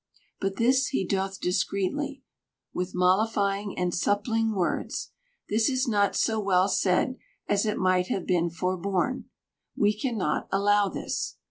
But this he doth discreetly, with mollifying and suppling words ;—" this is not so well said, as it might have been forborne ;"—" we cannot allow this."